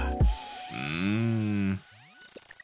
うん。